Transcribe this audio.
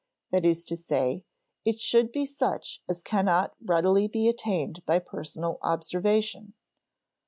That is to say, it should be such as cannot readily be attained by personal observation.